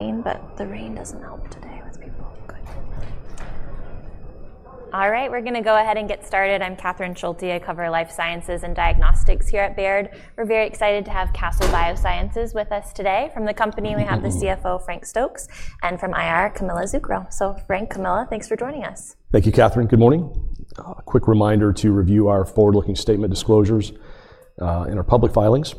The rain doesn't help today. All right, we're going to go ahead and get started. I'm Catherine Schulte. I cover Life Sciences and Diagnostics here at Baird. We're very excited to have Castle Biosciences with us today. From the company, we have the CFO, Frank Stokes, and from IR, Camilla Zuckero. Frank, Camilla, thanks for joining us. Thank you, Catherine. Good morning. A quick reminder to review our forward-looking statement disclosures in our public filings.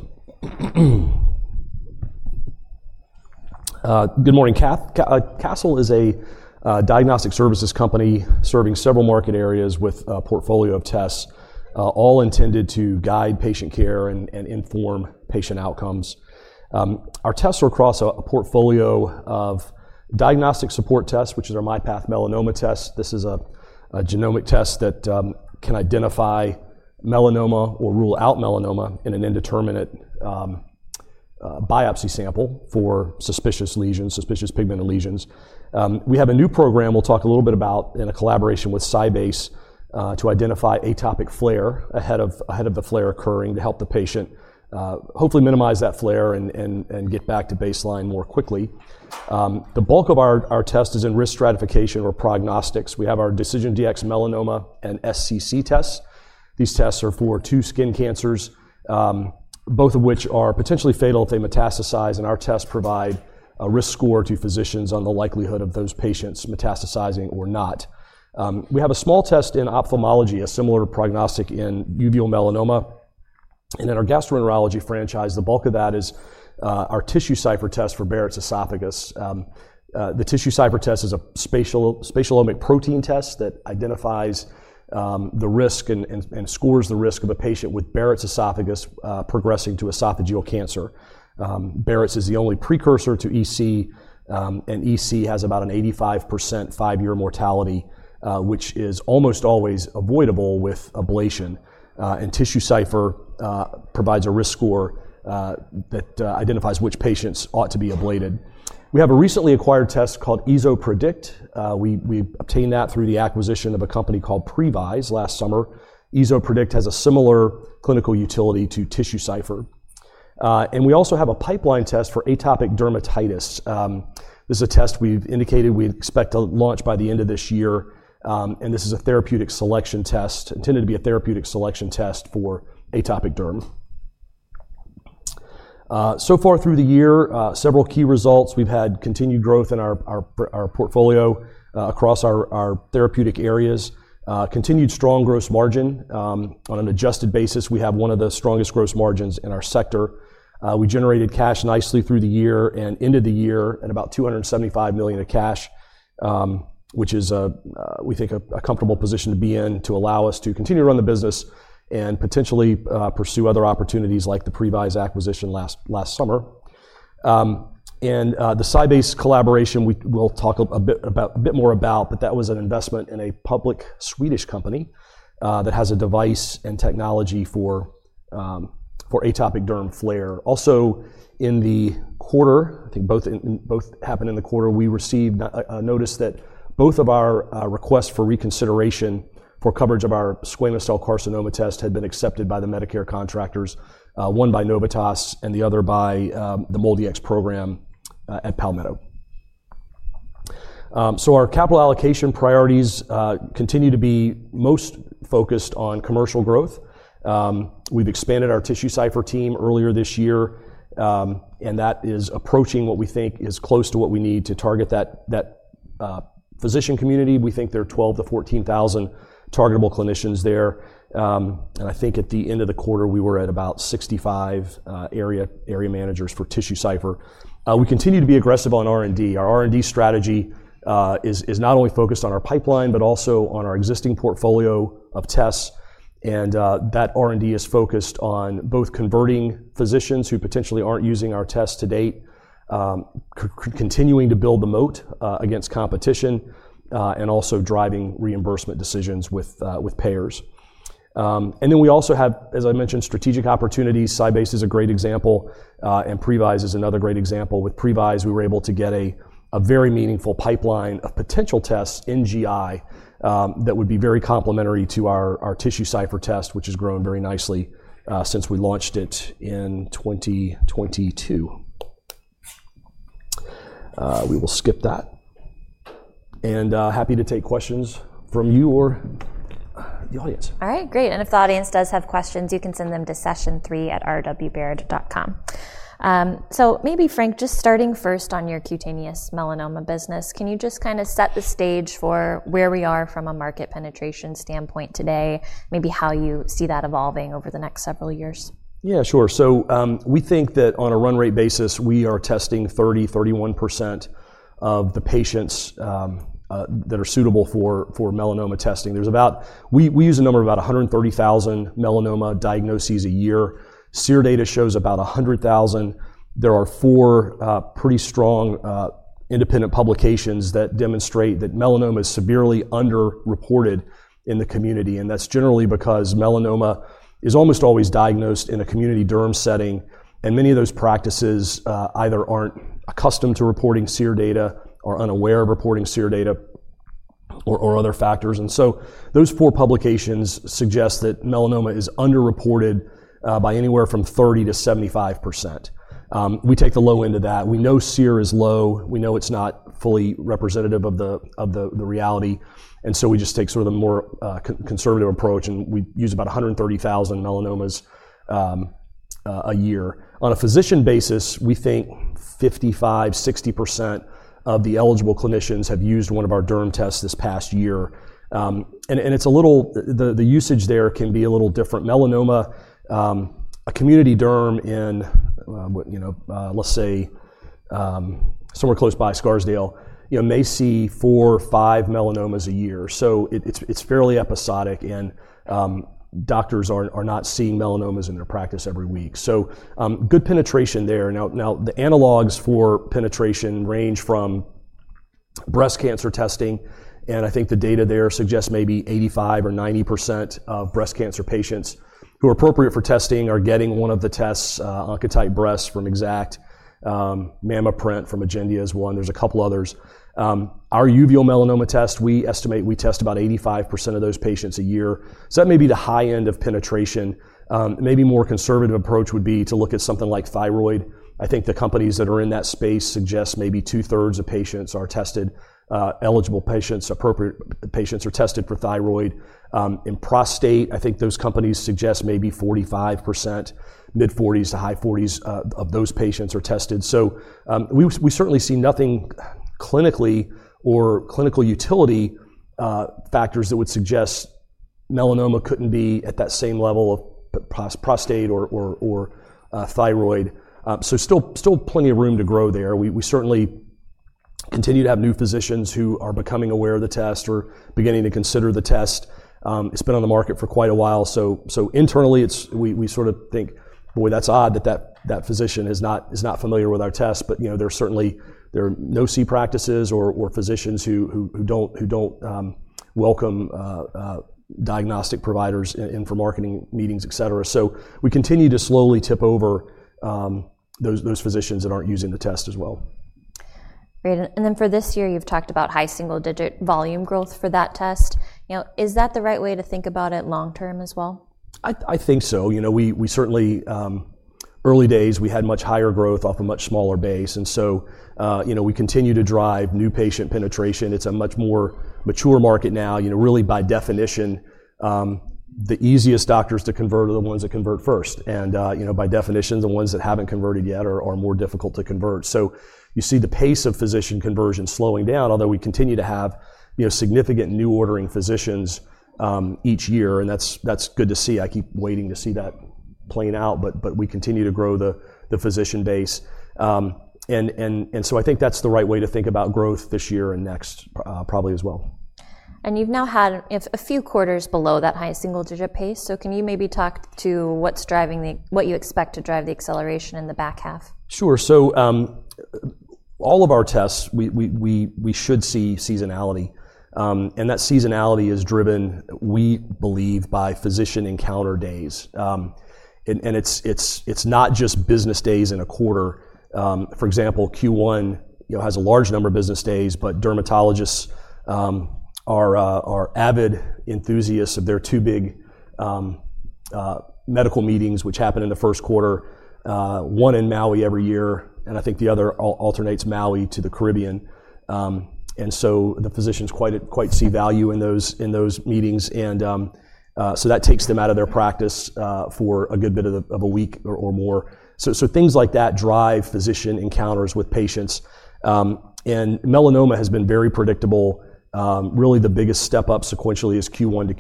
Good morning, Cath. Castle Biosciences is a diagnostic services company serving several market areas with a portfolio of tests, all intended to guide patient care and inform patient outcomes. Our tests are across a portfolio of diagnostic support tests, which are MyPath Melanoma tests. This is a genomic test that can identify melanoma or rule out melanoma in an indeterminate biopsy sample for suspicious lesions, suspicious pigmented lesions. We have a new program we'll talk a little bit about in a collaboration with SciBase to identify atopic flares ahead of the flare occurring to help the patient hopefully minimize that flare and get back to baseline more quickly. The bulk of our tests is in risk stratification or prognostics. We have our DecisionDx-Melanoma and SCC tests. These tests are for two skin cancers, both of which are potentially fatal if they metastasize, and our tests provide a risk score to physicians on the likelihood of those patients metastasizing or not. We have a small test in ophthalmology, a similar prognostic in uveal melanoma. In our gastroenterology franchise, the bulk of that is our TissueCypher test for Barrett’s esophagus. The TissueCypher test is a spatial protein test that identifies the risk and scores the risk of a patient with Barrett’s esophagus progressing to esophageal cancer. Barrett’s is the only precursor to EC, and EC has about an 85% five-year mortality, which is almost always avoidable with ablation. TissueCypher provides a risk score that identifies which patients ought to be ablated. We have a recently acquired test called Esopredict. We obtained that through the acquisition of a company called Previse last summer. Esopredict has a similar clinical utility to TissueCypher. We also have a pipeline test for atopic dermatitis. This is a test we've indicated we'd expect to launch by the end of this year. This is a therapeutic selection test, intended to be a therapeutic selection test for atopic derm. So far through the year, several key results. We've had continued growth in our portfolio across our therapeutic areas, continued strong gross margin. On an adjusted basis, we have one of the strongest gross margins in our sector. We generated cash nicely through the year and ended the year at about $275 million of cash, which is, we think, a comfortable position to be in to allow us to continue to run the business and potentially pursue other opportunities like the Previse acquisition last summer. The SciBase collaboration, we'll talk a bit more about, but that was an investment in a public Swedish company that has a device and technology for atopic derm flare. Also, in the quarter, I think both happened in the quarter, we received a notice that both of our requests for reconsideration for coverage of our squamous cell carcinoma test had been accepted by the Medicare contractors, one by Novitas and the other by the MolDX program at Palmetto. Our capital allocation priorities continue to be most focused on commercial growth. We've expanded our TissueCypher team earlier this year, and that is approaching what we think is close to what we need to target that physician community. We think there are 12,000-14,000 targetable clinicians there. I think at the end of the quarter, we were at about 65 area managers for TissueCypher. We continue to be aggressive on R&D. Our R&D strategy is not only focused on our pipeline, but also on our existing portfolio of tests. That R&D is focused on both converting physicians who potentially aren't using our tests to date, continuing to build the moat against competition, and also driving reimbursement decisions with payers. We also have, as I mentioned, strategic opportunities. SciBase is a great example, and Previse is another great example. With Previse, we were able to get a very meaningful pipeline of potential tests in GI that would be very complementary to our TissueCypher test, which has grown very nicely since we launched it in 2022. We will skip that. Happy to take questions from you or the audience. All right, great. If the audience does have questions, you can send them to session3@rbbaird.com. Frank, just starting first on your cutaneous melanoma business, can you just kind of set the stage for where we are from a market penetration standpoint today, maybe how you see that evolving over the next several years? Yeah, sure. We think that on a run-rate basis, we are testing 30%, 31% of the patients that are suitable for melanoma testing. We use a number of about 130,000 melanoma diagnoses a year. SEER data shows about 100,000. There are four pretty strong independent publications that demonstrate that melanoma is severely underreported in the community. That's generally because melanoma is almost always diagnosed in a community derm setting. Many of those practices either aren't accustomed to reporting SEER data or are unaware of reporting SEER data or other factors. Those four publications suggest that melanoma is underreported by anywhere from 30%-75%. We take the low end of that. We know SEER is low. We know it's not fully representative of the reality. We just take sort of a more conservative approach. We use about 130,000 melanomas a year. On a physician basis, we think 55%, 60% of the eligible clinicians have used one of our derm tests this past year. The usage there can be a little different. Melanoma, a community derm in, let's say, somewhere close by Scarsdale may see four or five melanomas a year. It's fairly episodic. Doctors are not seeing melanomas in their practice every week. Good penetration there. The analogs for penetration range from breast cancer testing. I think the data there suggests maybe 85% or 90% of breast cancer patients who are appropriate for testing are getting one of the tests, Oncotype Breast from Exact, MammaPrint from Agendia is one. There's a couple others. Our uveal melanoma test, we estimate we test about 85% of those patients a year. That may be the high end of penetration. Maybe a more conservative approach would be to look at something like thyroid. I think the companies that are in that space suggest maybe two-thirds of patients are tested, eligible patients, appropriate patients are tested for thyroid. In prostate, I think those companies suggest maybe 45%, mid-40s to high 40s of those patients are tested. We certainly see nothing clinically or clinical utility factors that would suggest melanoma couldn't be at that same level of prostate or thyroid. Still plenty of room to grow there. We certainly continue to have new physicians who are becoming aware of the test or beginning to consider the test. It's been on the market for quite a while. Internally, we sort of think, boy, that's odd that that physician is not familiar with our test. There certainly are no C practices or physicians who don't welcome diagnostic providers in for marketing meetings, etc. We continue to slowly tip over those physicians that aren't using the test as well. Great. For this year, you've talked about high single-digit volume growth for that test. Is that the right way to think about it long term as well? I think so. We certainly, early days, had much higher growth off a much smaller base. We continue to drive new patient penetration. It's a much more mature market now. Really, by definition, the easiest doctors to convert are the ones that convert first. By definition, the ones that haven't converted yet are more difficult to convert. You see the pace of physician conversion slowing down, although we continue to have significant new ordering physicians each year. That's good to see. I keep waiting to see that playing out. We continue to grow the physician base. I think that's the right way to think about growth this year and next probably as well. You've now had a few quarters below that high single-digit pace. Can you maybe talk to what you expect to drive the acceleration in the back half? Sure. All of our tests, we should see seasonality. That seasonality is driven, we believe, by physician encounter days. It's not just business days in a quarter. For example, Q1 has a large number of business days, but dermatologists are avid enthusiasts of their two big medical meetings, which happen in the first quarter, one in Maui every year. I think the other alternates Maui to the Caribbean. The physicians quite see value in those meetings. That takes them out of their practice for a good bit of a week or more. Things like that drive physician encounters with patients. Melanoma has been very predictable. Really, the biggest step up sequentially is Q1 to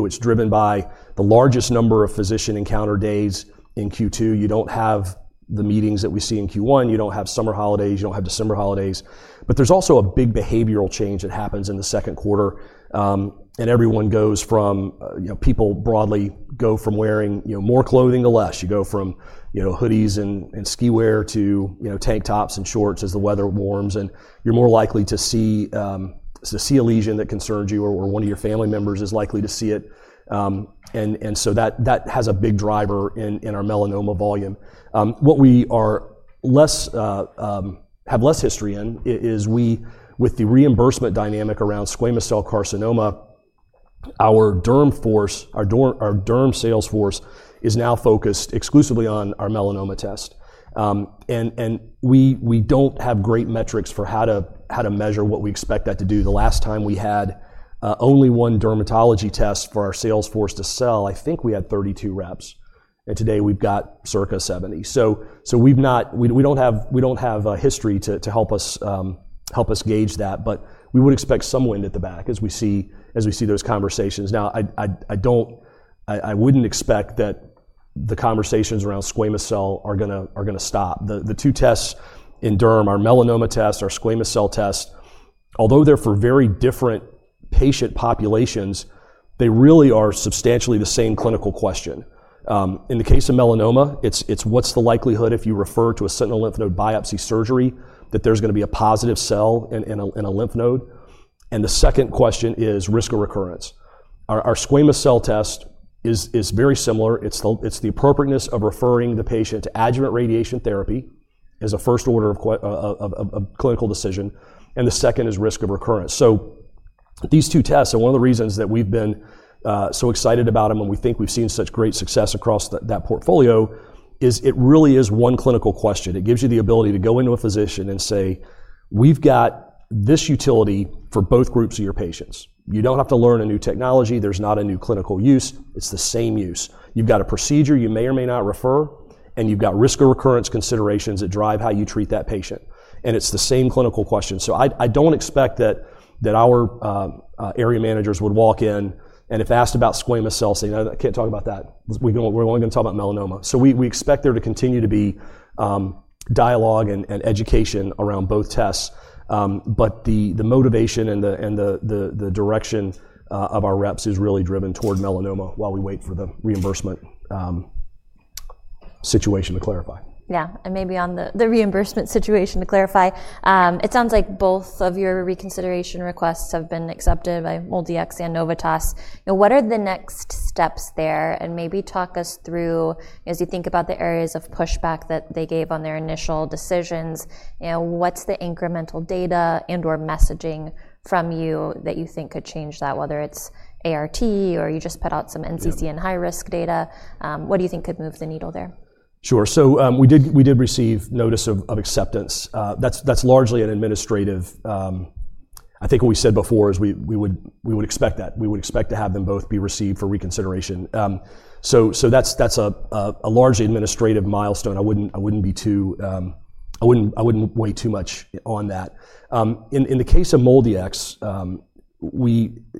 Q2. It's driven by the largest number of physician encounter days in Q2. You don't have the meetings that we see in Q1. You don't have summer holidays. There's also a big behavioral change that happens in the second quarter. Everyone goes from people broadly go from wearing more clothing to less. You go from hoodies and skiwear to tank tops and shorts as the weather warms. You're more likely to see a lesion that concerns you or one of your family members is likely to see it. That has a big driver in our melanoma volume. What we have less history in is, with the reimbursement dynamic around squamous cell carcinoma, our derm sales force is now focused exclusively on our melanoma test. We don't have great metrics for how to measure what we expect that to do. The last time we had only one dermatology test for our sales force to sell, I think we had 32 reps. Today we've got circa 70. We don't have a history to help us gauge that. We would expect some wind at the back as we see those conversations. I wouldn't expect that the conversations around squamous cell are going to stop. The two tests in derm, our melanoma test, our squamous cell test, although they're for very different patient populations, they really are substantially the same clinical question. In the case of melanoma, it's what's the likelihood if you refer to a sentinel lymph node biopsy surgery that there's going to be a positive cell in a lymph node? The second question is risk of recurrence. Our squamous cell test is very similar. It's the appropriateness of referring the patient to adjuvant radiation therapy as a first order of clinical decision. The second is risk of recurrence. These two tests, and one of the reasons that we've been so excited about them and we think we've seen such great success across that portfolio, is it really is one clinical question. It gives you the ability to go into a physician and say, we've got this utility for both groups of your patients. You don't have to learn a new technology. There's not a new clinical use. It's the same use. You've got a procedure you may or may not refer, and you've got risk of recurrence considerations that drive how you treat that patient. It's the same clinical question. I don't expect that our area managers would walk in and if asked about squamous cell say, no, I can't talk about that. We're only going to talk about melanoma. We expect there to continue to be dialogue and education around both tests. The motivation and the direction of our reps is really driven toward melanoma while we wait for the reimbursement situation to clarify. Yeah. Maybe on the reimbursement situation to clarify, it sounds like both of your reconsideration requests have been accepted by MolDX and Novitas. What are the next steps there? Maybe talk us through, as you think about the areas of pushback that they gave on their initial decisions, what's the incremental data and/or messaging from you that you think could change that, whether it's ART or you just put out some NCC and high-risk data? What do you think could move the needle there? Sure. We did receive notice of acceptance. That's largely an administrative, I think what we said before is we would expect that. We would expect to have them both be received for reconsideration. That's a largely administrative milestone. I wouldn't wait too much on that. In the case of MolDX,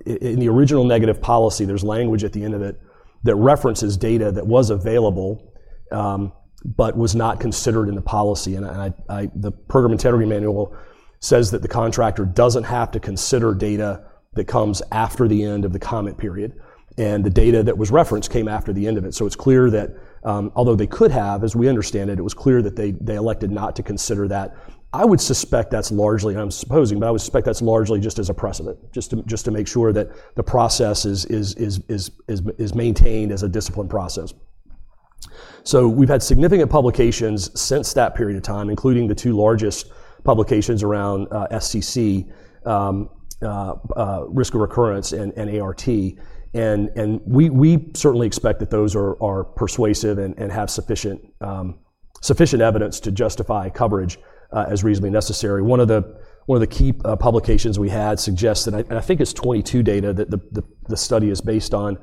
in the original negative policy, there's language at the end of it that references data that was available but was not considered in the policy. The program integrity manual says that the contractor doesn't have to consider data that comes after the end of the comment period. The data that was referenced came after the end of it. It's clear that although they could have, as we understand it, it was clear that they elected not to consider that. I would suspect that's largely, I'm supposing, but I would suspect that's largely just as a precedent, just to make sure that the process is maintained as a disciplined process. We've had significant publications since that period of time, including the two largest publications around SCC, risk of recurrence, and ART. We certainly expect that those are persuasive and have sufficient evidence to justify coverage as reasonably necessary. One of the key publications we had suggests that, and I think it's 2022 data that the study is based on,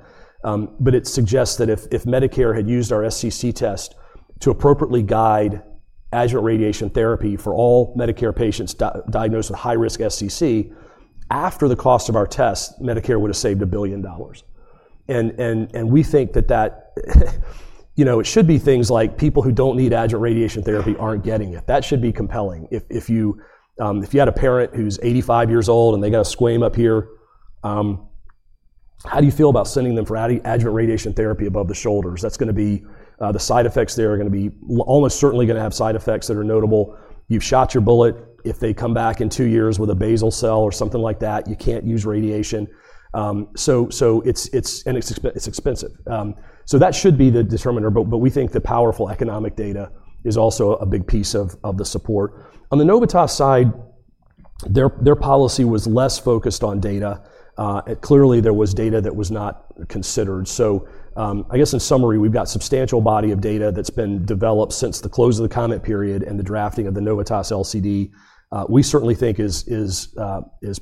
but it suggests that if Medicare had used our SCC test to appropriately guide adjuvant radiation therapy for all Medicare patients diagnosed with high-risk SCC, after the cost of our test, Medicare would have saved $1 billion. We think that, you know, it should be things like people who don't need adjuvant radiation therapy aren't getting it. That should be compelling. If you had a parent who's 85 years old and they got a squame up here, how do you feel about sending them for adjuvant radiation therapy above the shoulders? The side effects there are going to be almost certainly going to have side effects that are notable. You've shot your bullet. If they come back in two years with a basal cell or something like that, you can't use radiation. It's expensive. That should be the determiner. We think the powerful economic data is also a big piece of the support. On the Novitas side, their policy was less focused on data. Clearly, there was data that was not considered. In summary, we've got a substantial body of data that's been developed since the close of the comment period and the drafting of the Novitas LCD, we certainly think is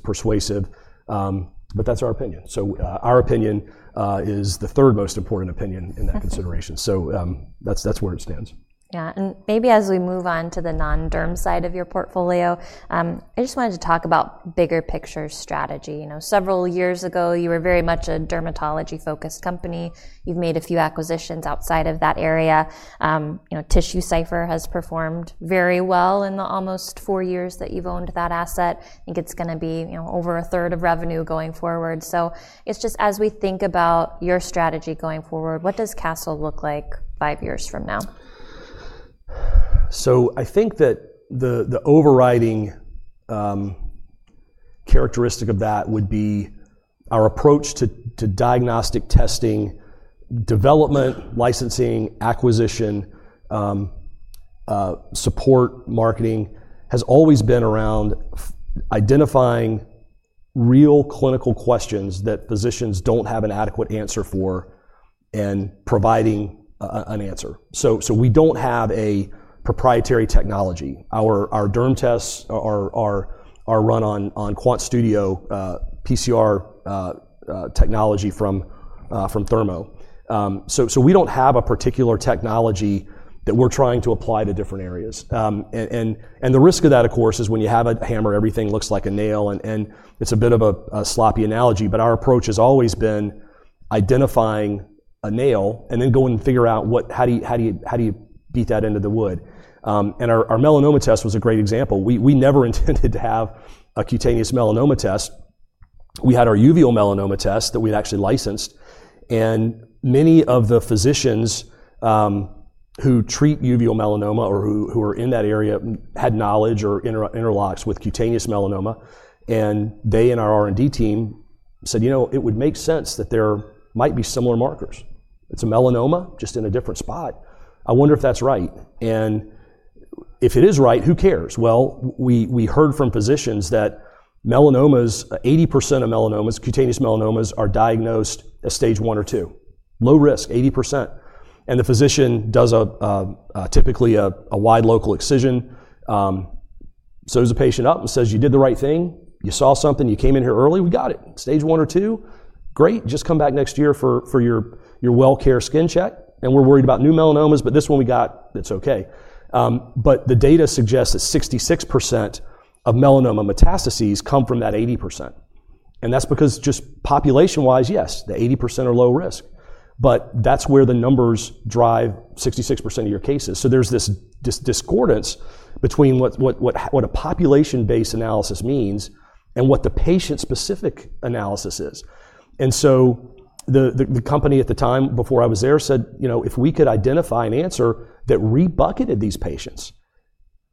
persuasive. That's our opinion. Our opinion is the third most important opinion in that consideration. That's where it stands. Yeah. Maybe as we move on to the non-derm side of your portfolio, I just wanted to talk about bigger picture strategy. Several years ago, you were very much a dermatology-focused company. You've made a few acquisitions outside of that area. TissueCypher has performed very well in the almost four years that you've owned that asset. I think it's going to be over a third of revenue going forward. As we think about your strategy going forward, what does Castle look like five years from now? I think that the overriding characteristic of that would be our approach to diagnostic testing, development, licensing, acquisition, support, marketing has always been around identifying real clinical questions that physicians don't have an adequate answer for and providing an answer. We don't have a proprietary technology. Our derm tests are run on QuantStudio PCR technology from Thermo. We don't have a particular technology that we're trying to apply to different areas. The risk of that, of course, is when you have a hammer, everything looks like a nail. It's a bit of a sloppy analogy. Our approach has always been identifying a nail and then going to figure out how do you beat that into the wood. Our melanoma test was a great example. We never intended to have a cutaneous melanoma test. We had our uveal melanoma test that we had actually licensed. Many of the physicians who treat uveal melanoma or who are in that area had knowledge or interlocks with cutaneous melanoma. They and our R&D team said, you know, it would make sense that there might be similar markers. It's a melanoma just in a different spot. I wonder if that's right. If it is right, who cares? We heard from physicians that 80% of cutaneous melanomas are diagnosed as stage one or two, low risk, 80%. The physician does typically a wide local excision, shows the patient up and says, you did the right thing. You saw something. You came in here early. We got it. Stage one or two, great. Just come back next year for your well-care skin check. We're worried about new melanomas. This one we got, it's OK. The data suggests that 66% of melanoma metastases come from that 80%. That's because just population-wise, yes, the 80% are low risk. That's where the numbers drive 66% of your cases. There's this discordance between what a population-based analysis means and what the patient-specific analysis is. The company at the time before I was there said, you know, if we could identify an answer that re-bucketed these patients,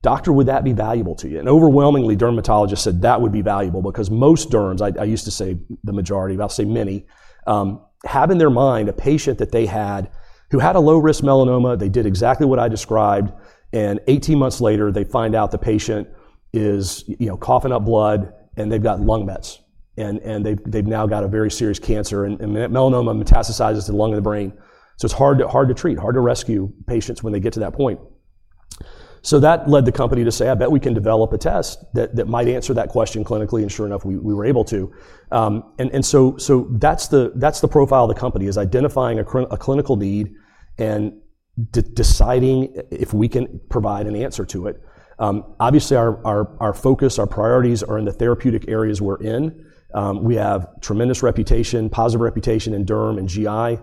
doctor, would that be valuable to you? Overwhelmingly, dermatologists said that would be valuable because most derms, I used to say the majority, but I'll say many, have in their mind a patient that they had who had a low-risk melanoma. They did exactly what I described. Eighteen months later, they find out the patient is coughing up blood and they've got lung mets. They've now got a very serious cancer. Melanoma metastasizes to the lung and the brain. It's hard to treat, hard to rescue patients when they get to that point. That led the company to say, I bet we can develop a test that might answer that question clinically. Sure enough, we were able to. That's the profile of the company: identifying a clinical need and deciding if we can provide an answer to it. Obviously, our focus, our priorities are in the therapeutic areas we're in. We have tremendous reputation, positive reputation in derm and GI.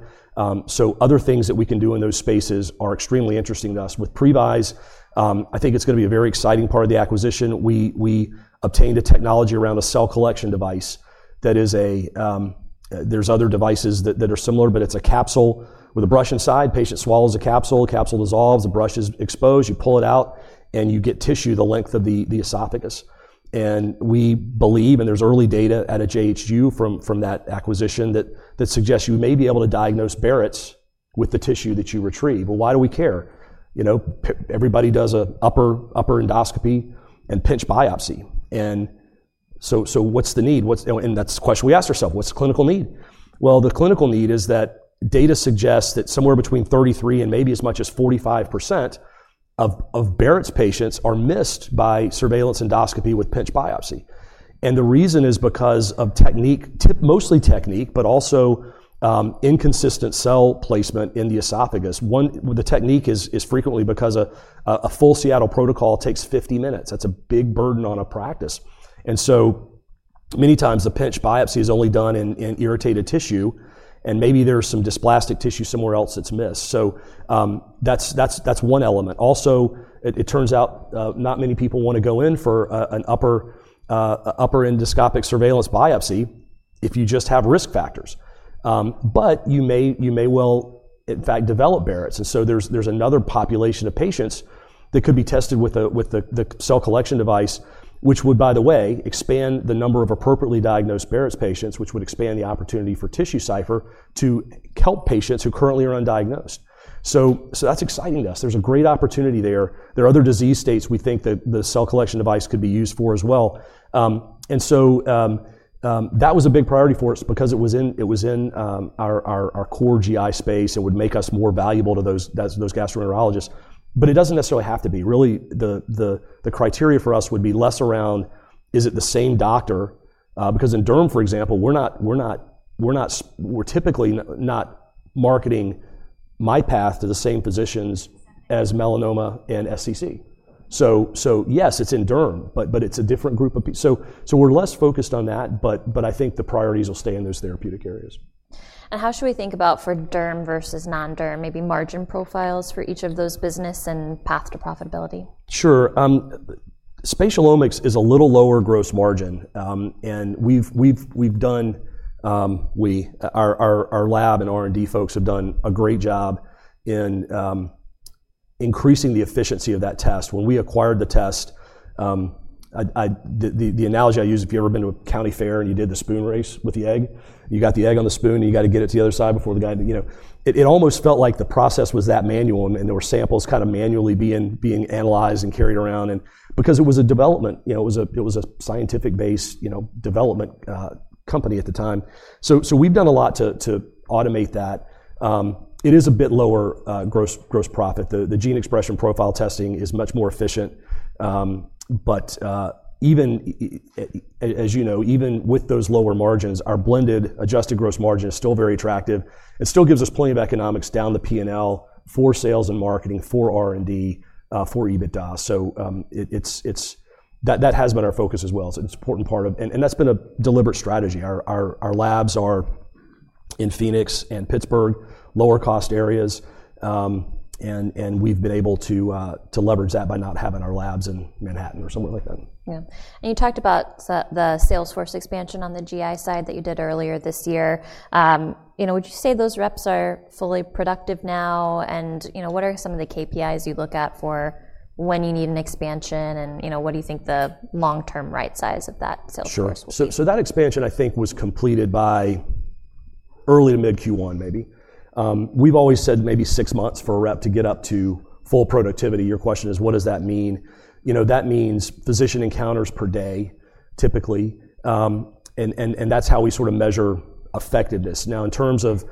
Other things that we can do in those spaces are extremely interesting to us. With Previse, I think it's going to be a very exciting part of the acquisition. We obtained a technology around a cell collection device. There are other devices that are similar, but it's a capsule with a brush inside. The patient swallows a capsule, the capsule dissolves, the brush is exposed, you pull it out, and you get tissue the length of the esophagus. We believe, and there's early data at JHU from that acquisition, that suggests you may be able to diagnose Barrett's with the tissue that you retrieve. Why do we care? Everybody does an upper endoscopy and pinch biopsy. What's the need? That's the question we asked ourselves. What's the clinical need? The clinical need is that data suggests that somewhere between 33% and maybe as much as 45% of Barrett's patients are missed by surveillance endoscopy with pinch biopsy. The reason is because of technique, mostly technique, but also inconsistent cell placement in the esophagus. The technique is frequently because a full Seattle protocol takes 50 minutes. That's a big burden on a practice. Many times, the pinch biopsy is only done in irritated tissue, and maybe there's some dysplastic tissue somewhere else that's missed. That's one element. It turns out not many people want to go in for an upper endoscopic surveillance biopsy if you just have risk factors, but you may well, in fact, develop Barrett's. There's another population of patients that could be tested with the cell collection device, which would, by the way, expand the number of appropriately diagnosed Barrett's patients, which would expand the opportunity for TissueCypher to help patients who currently are undiagnosed. That's exciting to us. There's a great opportunity there. There are other disease states we think that the cell collection device could be used for as well. That was a big priority for us because it was in our core GI space. It would make us more valuable to those gastroenterologists. It doesn't necessarily have to be. Really, the criteria for us would be less around is it the same doctor? In derm, for example, we're typically not marketing MyPath to the same physicians as Melanoma and SCC. Yes, it's in derm, but it's a different group of people. We're less focused on that. I think the priorities will stay in those therapeutic areas. How should we think about for derm versus non-derm, maybe margin profiles for each of those business and path to profitability? Sure. Spatial omics is a little lower gross margin. Our lab and R&D folks have done a great job in increasing the efficiency of that test. When we acquired the test, the analogy I use, if you've ever been to a county fair and you did the spoon race with the egg, you got the egg on the spoon and you got to get it to the other side before the guy. It almost felt like the process was that manual and there were samples kind of manually being analyzed and carried around because it was a scientific-based development company at the time. We've done a lot to automate that. It is a bit lower gross profit. The gene expression profile testing is much more efficient. As you know, even with those lower margins, our blended adjusted gross margin is still very attractive. It still gives us plenty of economics down the P&L for sales and marketing, for R&D, for EBITDA. That has been our focus as well. It's an important part of, and that's been a deliberate strategy. Our labs are in Phoenix and Pittsburgh, lower cost areas. We've been able to leverage that by not having our labs in Manhattan or something like that. You talked about the sales force expansion on the GI side that you did earlier this year. Would you say those reps are fully productive now? What are some of the KPIs you look at for when you need an expansion? What do you think the long-term right size of that sales force is? Sure. That expansion, I think, was completed by early to mid-Q1, maybe. We've always said maybe six months for a rep to get up to full productivity. Your question is, what does that mean? That means physician encounters per day, typically. That's how we sort of measure effectiveness. In terms of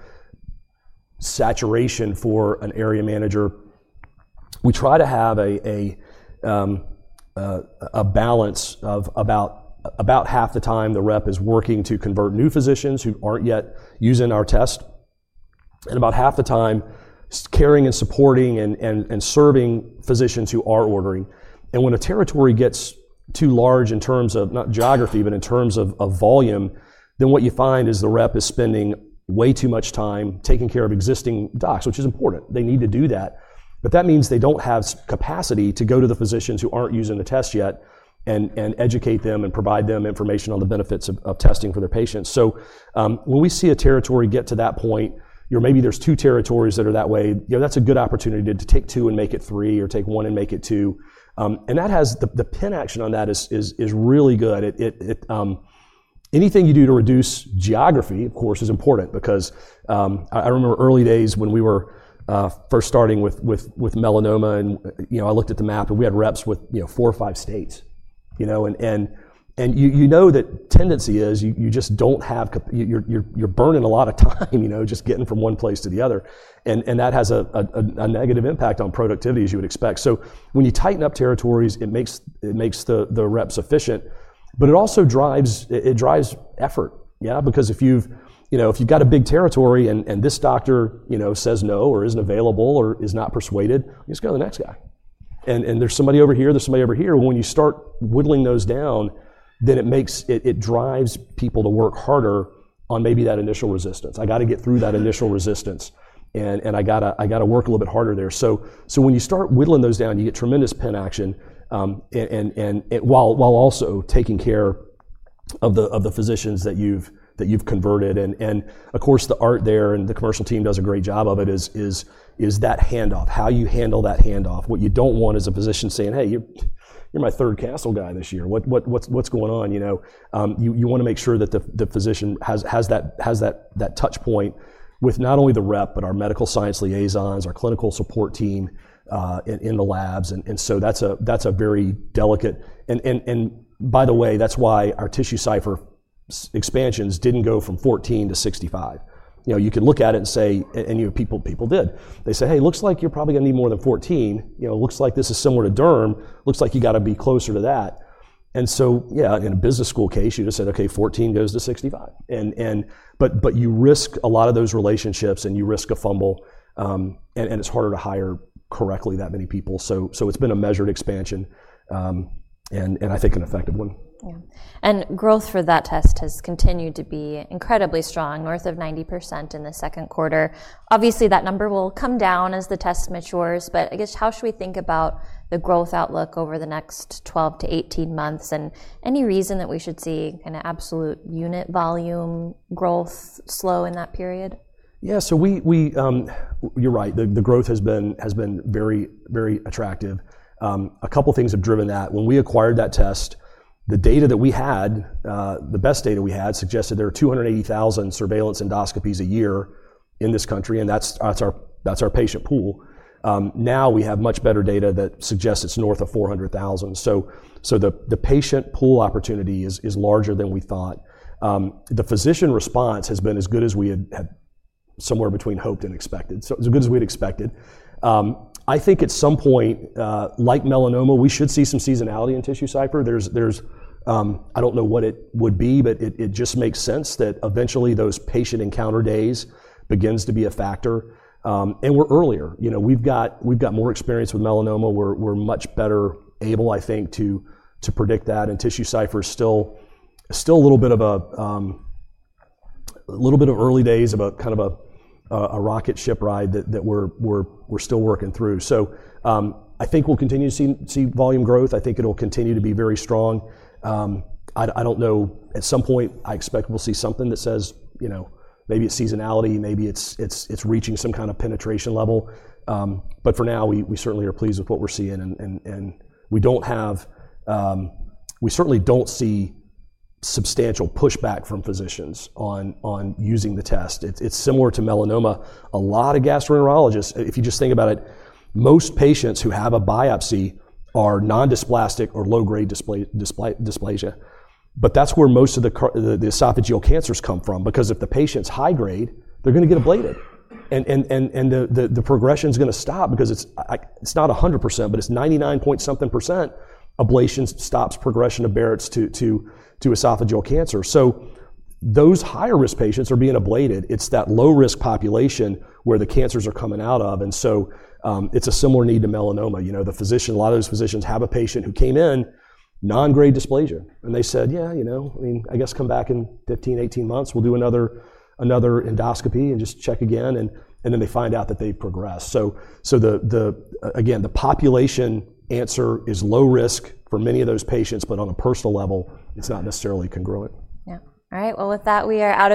saturation for an Area Manager, we try to have a balance of about half the time the rep is working to convert new physicians who aren't yet using our test and about half the time caring and supporting and serving physicians who are ordering. When a territory gets too large in terms of not geography, but in terms of volume, then what you find is the rep is spending way too much time taking care of existing docs, which is important. They need to do that. That means they don't have capacity to go to the physicians who aren't using the test yet and educate them and provide them information on the benefits of testing for their patients. When we see a territory get to that point, or maybe there's two territories that are that way, that's a good opportunity to take two and make it three or take one and make it two. The pin action on that is really good. Anything you do to reduce geography, of course, is important because I remember early days when we were first starting with melanoma, and I looked at the map and we had reps with four or five states. The tendency is you just don't have, you're burning a lot of time just getting from one place to the other. That has a negative impact on productivity, as you would expect. When you tighten up territories, it makes the reps efficient. It also drives effort because if you've got a big territory and this doctor says no or isn't available or is not persuaded, you just go to the next guy. There's somebody over here. There's somebody over here. When you start whittling those down, it drives people to work harder on maybe that initial resistance. I got to get through that initial resistance. I got to work a little bit harder there. When you start whittling those down, you get tremendous pin action while also taking care of the physicians that you've converted. Of course, the art there, and the commercial team does a great job of it, is that handoff, how you handle that handoff. What you don't want is a physician saying, hey, you're my third Castle guy this year. What's going on? You want to make sure that the physician has that touchpoint with not only the rep, but our Medical Science Liaisons, our clinical support team in the labs. That's a very delicate, and by the way, that's why our TissueCypher expansions didn't go from 14 to 65. You could look at it and say, and you have people did. They say, hey, it looks like you're probably going to need more than 14. It looks like this is similar to derm. It looks like you got to be closer to that. In a business school case, you just said, OK, 14 goes to 65, but you risk a lot of those relationships and you risk a fumble. It's harder to hire correctly that many people. It's been a measured expansion and I think an effective one. Yeah. Growth for that test has continued to be incredibly strong, north of 90% in the second quarter. Obviously, that number will come down as the test matures. I guess how should we think about the growth outlook over the next 12 to 18 months? Any reason that we should see an absolute unit volume growth slow in that period? Yeah. So you're right. The growth has been very, very attractive. A couple of things have driven that. When we acquired that test, the data that we had, the best data we had, suggested there are 280,000 surveillance endoscopies a year in this country. That's our patient pool. Now we have much better data that suggests it's north of 400,000. The patient pool opportunity is larger than we thought. The physician response has been as good as we had somewhere between hoped and expected. It's as good as we'd expected. I think at some point, like melanoma, we should see some seasonality in TissueCypher. I don't know what it would be, but it just makes sense that eventually those patient encounter days begin to be a factor. We're earlier. We've got more experience with melanoma. We're much better able, I think, to predict that. TissueCypher is still a little bit of early days of a kind of a rocket ship ride that we're still working through. I think we'll continue to see volume growth. I think it'll continue to be very strong. I don't know. At some point, I expect we'll see something that says maybe it's seasonality, maybe it's reaching some kind of penetration level. For now, we certainly are pleased with what we're seeing. We certainly don't see substantial pushback from physicians on using the test. It's similar to melanoma. A lot of gastroenterologists, if you just think about it, most patients who have a biopsy are non-dysplastic or low-grade dysplasia. That's where most of the esophageal cancers come from, because if the patient's high grade, they're going to get ablated, and the progression is going to stop because it's not 100%, but it's 99 point something percent ablations stop progression of Barrett’s to esophageal cancer. Those higher risk patients are being ablated. It's that low-risk population where the cancers are coming out of. It's a similar need to melanoma. A lot of those physicians have a patient who came in non-grade dysplasia, and they said, yeah, I mean, I guess come back in 15, 18 months. We'll do another endoscopy and just check again, and then they find out that they've progressed. The population answer is low risk for many of those patients, but on a personal level, it's not necessarily congruent. All right. With that, we are out of time.